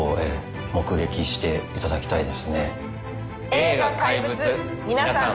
映画『怪物』皆さん